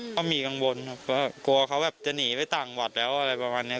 ก็มีกังวลครับว่ากลัวเขาแบบจะหนีไปต่างวัดแล้วอะไรประมาณนี้